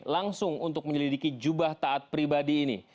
langsung untuk menyelidiki jubah taat pribadi ini